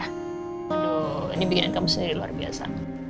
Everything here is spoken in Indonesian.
aduh ini bikin kamu sendiri luar biasa